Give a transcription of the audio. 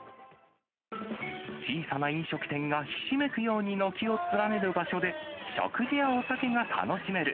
小さな飲食店がひしめくように軒を連ねる場所で、食事やお酒が楽しめる。